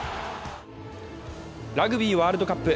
ラグビーワールドカップ。